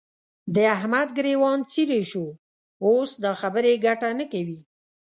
د احمد ګرېوان څيرې شو؛ اوس دا خبرې ګټه نه کوي.